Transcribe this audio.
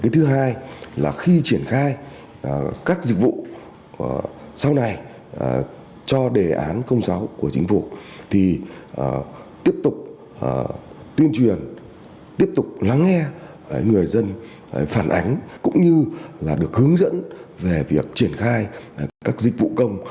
thứ hai là khi triển khai các dịch vụ sau này cho đề án sáu của chính phủ thì tiếp tục tuyên truyền tiếp tục lắng nghe người dân phản ánh cũng như là được hướng dẫn về việc triển khai các dịch vụ công